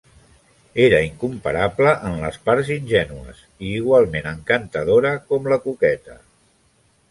Era incomparable en les parts ingènues i igualment encantadora com la coqueta.